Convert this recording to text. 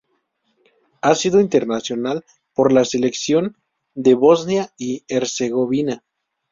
Ha sido internacional por la selección de Bosnia y Herzegovina.